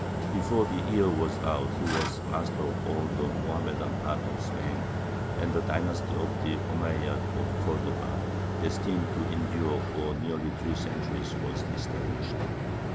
Before the year was out he was master of all the Mohammedan part of Spain, and the dynasty of the Omeyyads of Cordova, destined to endure for nearly three centuries, was established.